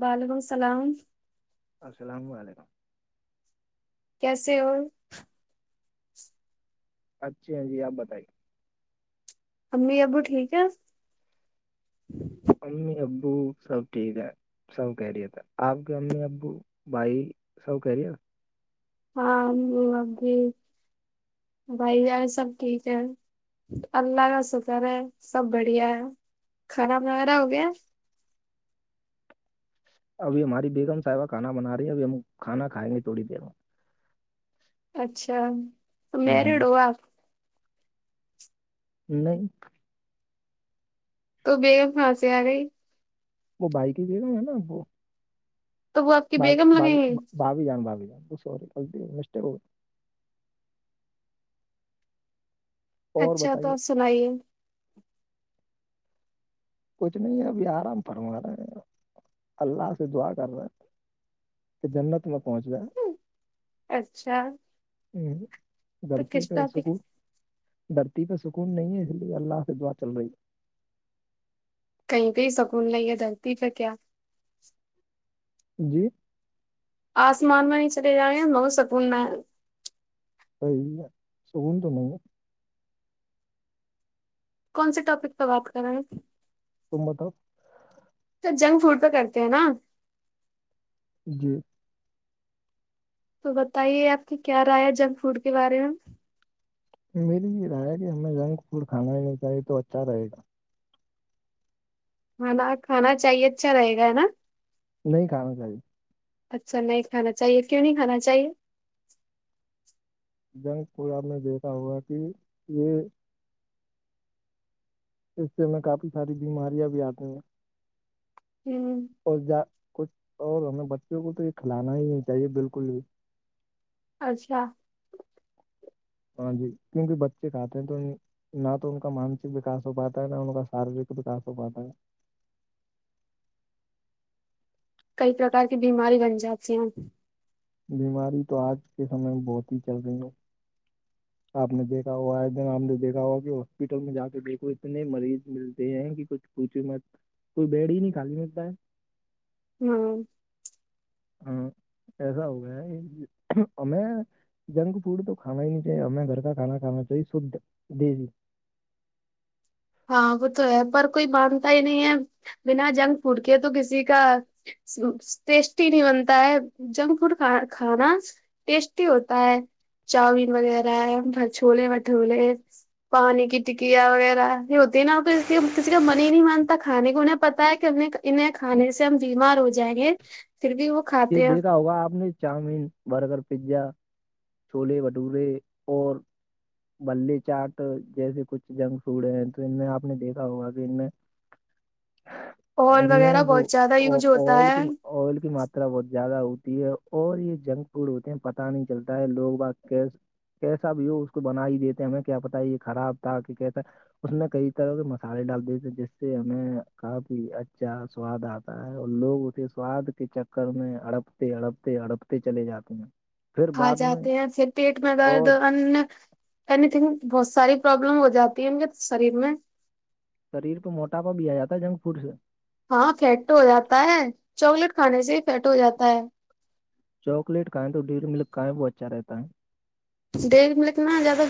وعلیکم السلام السلام علیکم کیسے اور اچھے ہیں جی آپ بتائیے امی ابو ٹھیک ہے امی ابو سب ٹھک ہے سب خیریت ہے آپ کے امی ابو بھائی سب خیریت ہاں امی ابو بھائی جان سب ٹھیک ہے اللہ کا شکر ہے سب بڑھیا ہے کھانا وغیرہ ہو گیا ابھی ہماری بیگم صاحبہ کھانا بنا رہی ہے ابھی ہم کھانا کھائیں گے تھوڑ دیر میں اچھا تو ہوں ہوں۔ میرڈ ہواپ نہیں تو بیگم کہاں سے آگئی وہ بھائی کی بیوی ہیں نا وہ تو وہ آپ کی ب بیگم ب لگیں گی بھابی جان بھابی جان وہ سوری غلطی سے مسٹیک ہو اور اچھا تو بتائیے سنائیے کچھ نہیں ہے ابھی آرام فرما رہے ہیں اللہ سے دعا کر رہے ہیں کہ جنت میں پہنچا اچھا ا تو دھرتی کس پہ طرح سک کو دھرتی پہ سکون نہیں ہے اس لیے اللہ سے دعا چل رہی ہے کہیں پہ ہی سکون نہیں ہے دھرتی پہ کیا جی آسمان میں نہیں چلے جائیںے بہت سکوننا ہے صحیح ہے سکن تمہیں کون سے ٹاپک پہ بات کر رہے ہیں تم بتاؤ تو جنک فوڈ پہ کرتے ہیں نا جی تو بتائیے آپ کی کیا رائے ہے جنک فوڈ کے بارے میں میری یہ رائے ہے کہ ہمیں جنک فوڈ کھانا ہی نہیں چاہے تو اچھا رہے گا کھانا کھانا چاہیے اچھا رہے گا ہے نا نہیں کھانا چاہیے اچھا نہیں کھانا چاہیے کیوں نہیں کھانا چاہیے جنک فوڈ کو آپ نے دیکھا ہوا کہ یہ اس سے میں کافی ساری بیماریاں بھی آتی ہیں ہوں اور جا کچھ اور ہمیں بچوں کو تو یہ کھلانا ہی نہیں چاہیے بالکل بھی اچھا ہاں جی کیونکہ بچے کھاتے ہیں تو نہ تو ان کا مانسک وکاس ہو پاتا ہے نہ ان کا شارییرک وکاس ہو پاتا ہے کئی پرکار کی بیماری بن جاتی ہیں بیماری تو آج کے سمے میں بہت ہی چل رہی ہے آپ نے دیکھا ہوگا ایک دن آپ نے دیکھا ہوگا کی ہاسپٹل میں جا کے دیکھو اتنے مریض ملتے ہیں کی کچھ پچوں مت کوئی بیڈ ہی نہیں خالی ملتا ہے ہوں ہاں ایسا ہو گیا ہمیں جنک فوڈ تو کانا ہی نہیں چاہے ہمیں گھر کا کھا کھانا چاہیے شد دیسی ہاں وہ تو ہے پر کوئی مانتا ہی نہیں ہے بنا جنک پھوٹ کے تو کسی کا ٹیسٹی بھی بنتا ہے جنگ فوڈ کھا کھانا ٹیسٹی ہوتا ہے چاؤمین وغیرہ ہے بھ چھوولے بٹھولے پانی کی ٹکیا وغیرہ ہوتی ہے نا تو کسی کا من ہی نہیں مانتا کھانے کو انہیں پتا ہے کی انہیں کھانے سے ٹائم بیمار ہو جائیں گے پھر بھی وہ یے کھاتے ہیں دیکھا ہوگا آپ نے چاؤمین برگر پیزا چھولے بھٹورے اور بلے چاٹ جیسے کچھ جنک فوڈ ہیں تو ان میں آپ نے دیکھا ہوگا کی ان میں ائل ان میں وغیرہ بہت وہ زیادہ یوز ہوتا آئل ہے کی آئل کی مات ترا بہت زیادہ ہوتی ہے اور یے جنک فوڈ ہوتے ہیں پتہ نہیں چلتا ہے لوگ بہار کیسے کیسا بھی ہو اس کو بنا ہی دیتے ہمیں کیا پتا یے خراب تھا کی کیسے اس میں کئی طرح کے مصالے ڈال دی تھے جس سے ہمیں کافی اچھا سواد آتا تا ہے اور لوگ اسے سواد کے چکر میں اڑپتے اڑپتے اڑپتے چلے جاتے ہیں پھر کھا بعد میں جاتے ہیں پھر پیٹ میں درد اور ان اینی تھنگ بہت ساری پروابلم ہو جاتی ہے ان کے شریر میں شریر کو موٹاپا بھی آ جاتا ہے جنگ فوڈ سے ہاں فٹ ہو جاتا ہے چاکلیٹ کھانے سے ہی فیٹ ہو جاتا ہے چاکلیٹ کھائیں تو ڈیری ملک کھائیں وہ اچھا رہتا ہے ڈیری ملک نہ زیادہ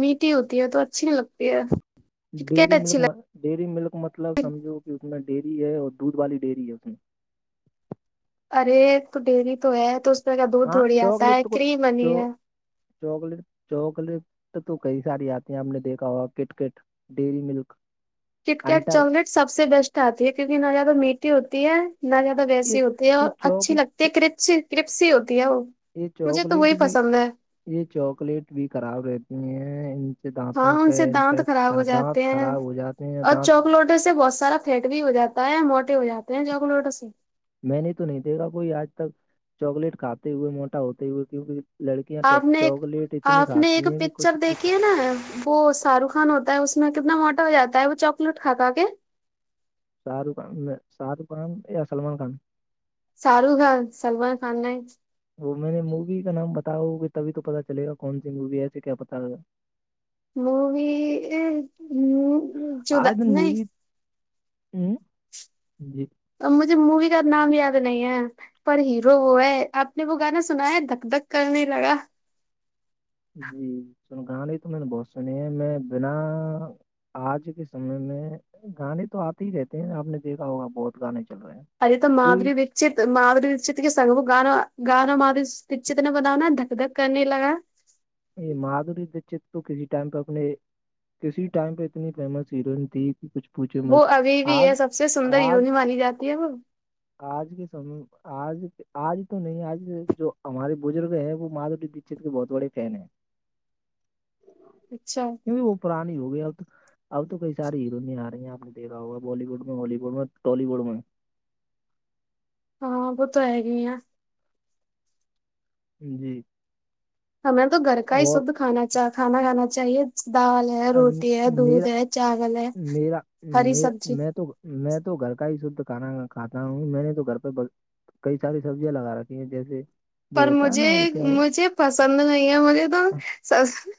میٹھی ہوتی ہے تو اچھی نہیں لگتی ہے کٹکٹ ڈیری اچھی ملک لگ ڈیری ملک مطلب سمجھو کی اس میں ڈیری ہے اور دودھ والی ڈیری ہے اس میں ارے تو ڈیری تو ہے تو اس میں کا دودھ ہاں تھوڑی آتا چاکلیٹ ہے تو کو- کریمنی چو ہے چاکلیٹ چاکلیٹ تو کئی ساری آتی ہیں ہم نے دیکھا ہوا Kit Kat Dairy Milk Kit Kat انٹر چاکلیٹ سب سے بیسٹ آتی ہے کیونکی نہ زیادہ میٹھی ہوتی ہے نہ زیادہ یہ ویسی ہوتی ہے یہ اور چوک اچھی لگتی ہے کرپس کرپسی ہوتی ہے وہ مجھے تو وہی پسند ہے یے چاکلیٹ بھی خراب رہتی ہیں ان سے ہاں دانتوں ان پے سے دانت انفیکٹ خراب ہو اور دانت خراب ہو جاتے ہیں دانت تو اسے بہت سارا پیٹ فیٹ ہو جاتا ہے موٹے ہو جاتے ہیں چاکلیٹو سے میں نے تو نہیں دیکھا کوئی آج تک چاکلیٹ کھاتے ہوئے موٹا ہوتے ہوئے کیوکی آپ نے ایک آپ نے ایک ہیں کہ پکچر کچھ کچھ دیکھی ہے نا وہ شاہ رخ خان ہوتا ہے اس میں کتنا موٹا ہو جاتا ہے وہ چاکلیٹ کھا کھا کے شاہ رخ خان نہیں شاہ رخ خان یا سلمان خان شاہ رخ خان سلمان خان نہیں وہ میں نے مووی کا نام بتاو گے تبھی تو پتا چلے گا کون سی مووی ایسے کیا پتا مووی ئ مو موی آج مووی ہاں جی اب مجھے مووی کا نام یاد نہیں ہے پر ہیرو وہ ہے آپ نے وہ گانا سنا ہے دھک دھک کرنے لگا جی سن گانے تو میں نے بہت سنے ہے میں بنا آج کے سمے میں گانے تو آتے ہی رہتے ہیں آپ نے دیکھا ہوگا بہت گانے چل رہے ہیں ار تو کوئی مادری بی چت مادھوری چت کے سگو گاناگانا مادھوری چت نے بنایا نا دھک دھک کرنے لگا یہ مادھوری دشت کو فرے ٹائم کب لے کسی ٹائم پے اتنی فیمس ہیروئن تھی کچھ پوچھے وہ مت ابھی بھی آج ہے سب سے سندر آج ہیرونی مانی جاتی ہے وہ آج کے سمے آج آج تو نہیں آج جو ہمارے بزرگ ہے وہ مادھوری دشت کے بہت بڑے فین ہیں اچھا کیونکہ وہ پرانی ہو گئی اب اب تو کئی سارے ہیروءیں آ رہے ہیں آپ نے دیکھا ہوگا بالی ووڈ میں ہالی ووڈ میں ٹالی ووڈ میں ہاں وہ تو ہے گ آ جی ہمیں تو گھر کا ہی اور شھد کھانا چ کھانا کھانا چاہیے دال ام، روٹی ہے دودھ میرا ہے چاول ہے میرا ہری میرا سبزی میں تو میں تو گھر کا ہی شھد کھانا کھاتا ہوں میں نے تو گھر پہ کئی ساری سبزیاں لگا ری ہیں جیسے وہ پر ہوتا ہے مجھے نا وہ کیا بول- مجھے پسند نہیں ہے مجھے تو سبزی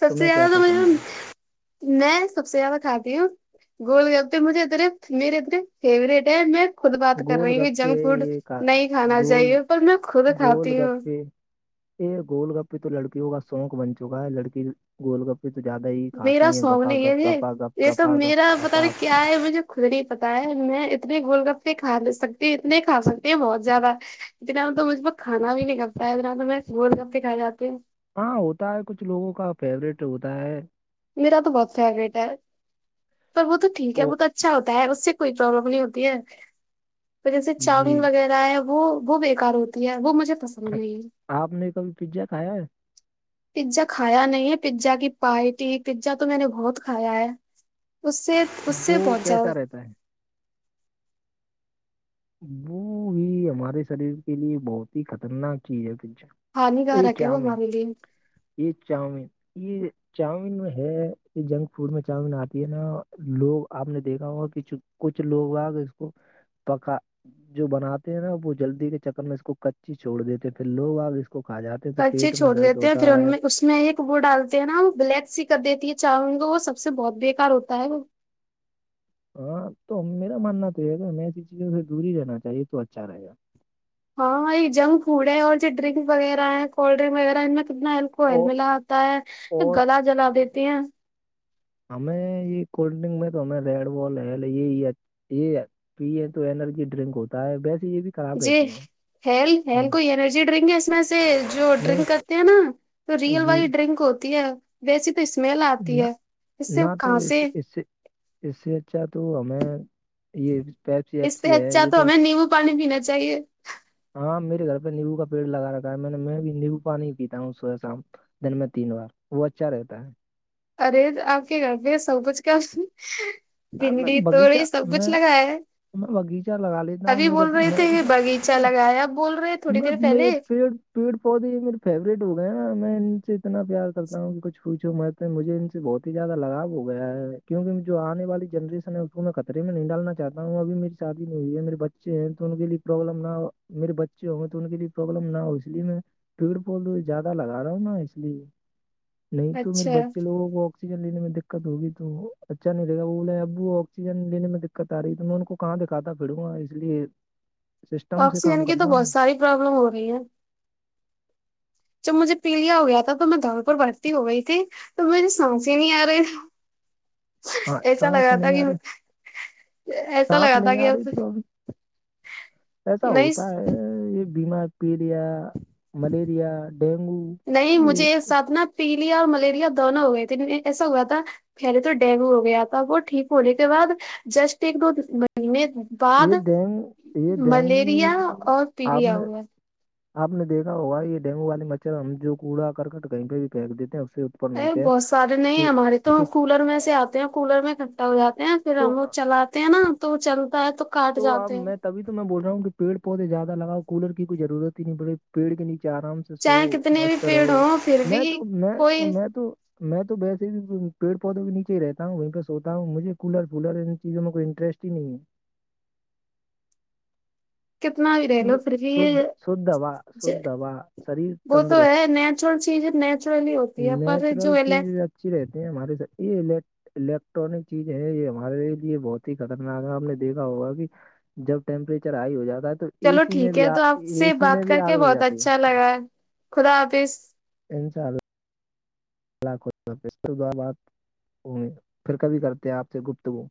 سب سے تمہیں کیا زیادہ تو مجھے پسند ہے میں سب سے زیادہ کھاتی ہوں گول گپ پے مجھے اتنے میرے اتنے فیوریٹ ہے خود بات کر گول رہی ہیں کہ گپے جنک فوڈ یہ کا- نہیں کھانا گول چاہیے پر میں خود گول کھاتی ہوں گپپے یہ گول گپپے تو لڑکیوں کا شوق بن چکا ہے لڑکی گول گپ یہ تو زیادہ ہی کھاتی میرا ہیں سونگ گپا نہیں ہے گپ یہ گپا گپ یہ تو گپا گپ میرا پتا اپا نہیں اب کیا ہے مجھے خود نہیں پتا ہے میں اتنے گول گپے کھالے سکتی اتنے کھا سکتے ہیں بہت زیادہ اتنا تو مجھ کو کھانا بھی نہیں کرتا ہے اتنا تو میں گول گپپے کھا جاتی ہوں ہاں ہوتا ہے کچھ لوگوں کا فیوریٹ ہوتا ہے میرا تو بہت فیوریٹ ہے پر وہ تو ٹھیک ہے وہ تو اچھا ہوتا ہے اس سے کوئی پرابلم نہیں ہوتی ہے پر جیسے جی چاؤمین وغیرہ وہ وہ بیکار ہوتی ہے وہ مجھے پسند نہیں ہے آپ نے کبھی پیزا کھایا ہے پیزا کھایا نہیں ہے پیزا کی پارٹی پیزا تو میں نے بہت کھایا ہے اس سے اس سے وہ بہت زیادہ کیسا رہتا ہے وہ یہ ہمارے شریر کے لیے بہت ہی خطرناک چیز ہے پیزا ہانیگارک ہے وہ معاملی جیت جاؤں گی جنگ ہے جنک فوڈ میں جنگ اتی ہے نا لوگ اپ نے دیکھا ہوا کہ کچھ لوگ اگ اس کو پکا جو بناتے ہیں نا وہ جلدی کے چکر میں اس کو کچی چھوڑ دیتے ہیں پھر لوگ اگ اس کو کھا جاتے ہیں تو کچے پیٹ میں چھوڑ درد دیتے ہیں ہوتا پھر ان ہے میں وس میں ایک وہ ڈالتے ہیں نا وہ بلیک سی کر دیتی ہے چاہوں وہ سب سے بہت بیکار ہوتا ہے وہ ہاں تو میرا ماننا تو ہے میں ایسی چیزوں سے دوری رہنا چاہیے تو اچھا رہے گا ہاں جنگ فوڈ ہے اور جو ڈرنک وغیرہ ہیں کولڈ ڈرنک وغیرہ ان میں کتنا الک کوئل اور ملاتا ہے اور گلا جلا دیتی ہیں ہمیں یہ کولڈ ڈرنک میں تو ہم ریڈ بال ہے نہیں یہ یہ پی اے تو انرجی ڈرنک ہوتا ہے ویسے یہ بھی خراب جی رہتی ہیں ہیل ہیل ہوں، کوئی ڈرنک ہے اس میں سے جو نہیں ڈرنک اس کرتے ہیں نا تو رئیل جی والی ڈرنک ہوتی ہے ویسی تو اسمیل اتی نہ ہے اس سے نہ تو کھانسی اس اس سے اس سے اچھا تو ہمیں یہ پیپسی اس سے ایپسی ہے اچھا یہ تو ہمیں نیمبو پانی پینا چاہیے ہاں میرے گھر پہ نیمبو کا پیڑ لگا را ہے میں نے میں بھی لیمو پانی پیتا ہوں صبح شام دن میں تین بار وہ اچھا رہتا ہے ارے اپ کہ گھر سب کچھ کا سہ میں بھنڈی توڑائی باغیچہ سب کچھ میں لگایا ہے میں باغیچہ لگا لیتا ہوں ابھی میرے بول رہے تھے باغیچہ لگایا اب بول رہے تھوڑی دیر میں پہلے پیڑ پیڑ پودے یہ میرے فیوریٹ ہو گئے ہیں نا میں ان سے اتنا پیار کرتا ہوں کہ کچھ پوچھو مت مجھے ان سے بہت ہی زیادہ لگا ہو گیا ہے کیونکہ جو انے والی جنریشن ہے اس کو میں خطرے میں نہیں ڈالنا چاہتا ہوں ابھی میری شادی نہیں ہوئی ہے میرے بچے ہیں تو ان کے لیے پرابلم نہ ہو میرے بچے ہو تو ان کے لیے پرابلم نہ ہو اس لیے میں پیڑ پودے زیادہ لگا رہا ہوں نا اس لیے نہیں تو میرے اچھا بچے لوگوں کو اکسیجن لینے میں دقت ہوگی تو اچھا انہیں اب وہ اکسیجن لینے میں دقت ا رہی ہے تو میں ان کو کہاں دکھاتا پھروں گا اس لیے سسٹم سے اکسیجن کام کی تو کرنا بہت ساری پرابلم ہو رہی ہے جب مجھے پیلیا ہو گیا تھا تو میں دڑ پر بھرتی ہو گئی تھی تو میرے سانس ہی نہیں ا رہا تھا ہاں ایسا سانس لگا تھا نہیں کہ آ رہی ایسا سانس لگا تھا نہیں کہ آ اب رہی تو ابھی ایسا نہیں ہوتا ہے یہ بیمار پیریا ملیریا ڈینگو نہیں یہ مجھے ایک ساتھ نا پیلیا اور ملیریا دونوں ہو گئے تھے ایسا ہوا تھا پہلے تو ڈینگو ہو گیا تھا وہ ٹھیک ہونے کے بعد جسٹ ایک دو منے بعد یہ ڈینگو یہ ملیریا ڈینگو اور آپ پیلیا نے ہوا اپ نے دیکھا ہوگا یہ ڈینگو والے مچھر ہم جو کوڑا کرکٹ کہیں پہ بھی پھینک دیتے ہیں اس سے اتپن ارے ہوتے ہیں بہت سارے نہیں ہمارے تو ہم کولر میں سے اتے ہیں کولر میں اکٹھا ہو جاتے ہیں پھر تو ہم وہ چلاتے ہیں نا تو وہ چلتا ہے تو پھر تو اپ میں تبھی میں بول رہا ہوں کہ پیڑ پودے زیادہ لگاؤ کولر کی کوئی ضرورت ہی نہیں پیڑ کے نیچے ارام سے سو چاہے کتنے بھی مست پیڑ رہو ہوں پھر میں بھی تو میں کوئی میں تو میں تو ویسے ہی پیڑ پودوں نیچےہی رہتا ہوں وہیں پہ سوتا ہوں مجھے کولر فولر ان چیزوں میں کوئی انٹرسٹ ھی نہیں ہے کتنا بھی رہ لو پھر بھی سود یہ سدوا ج- سدوا شریر وہ تو تندرست ہے نیچرل چیز نیچرلی ہوتی ہے پر نیچرل جو الے چیز اچھی رہتی ہیں ہمارے ساتھ یہ الیکٹرانک چیز ہے یہ ہمارے لیے بہت ہی خطرناک ہے ہم نے دیکھا ہوگا کی جب ٹمپریچر ہائی ہو جاتا ہے تو چلو سی میں ٹھیک بھی ہے آ- تو اپ سے اے سی بات میں بھی کر آگ کے لگ بہت جاتی اچھا لگا ہے خدا حافظ انشاءاللہ [unintelligible] پھر کبھی کرتے آپ سے گفتگو